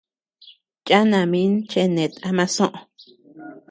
Yana min chenet ama soʼö.